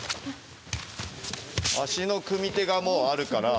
足の組み手がもうあるから。